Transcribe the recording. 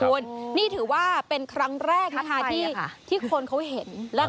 อุ๊ยมันตุ๊กแกกมันเล็กไปแล้วอะค่ะ